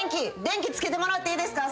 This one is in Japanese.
電気つけてもらっていいですか？